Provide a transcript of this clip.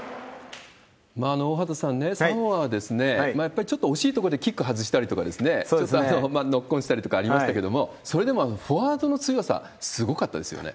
大畑さん、サモアはですね、やっぱりちょっと惜しいところでキック外したりとか、ちょっとノックオンしたりとかありましたけれども、それでもフォワードの強さ、すごかったですよね。